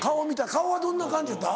顔はどんな感じやった？